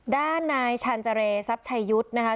ด้านนายฉันเจอร์เลซับใชยุทธิ์